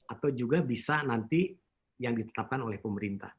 atau juga bisa nanti yang ditetapkan oleh pemerintah